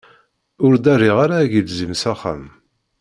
Ur d-rriɣ ara agelzim s axxam.